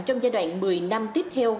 trong giai đoạn một mươi năm tiếp theo